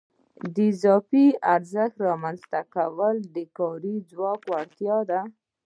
د اضافي ارزښت رامنځته کول د کاري ځواک وړتیا ده